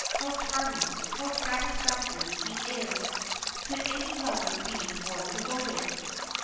How charming how satisfactory he is. Could any lover be more devoted!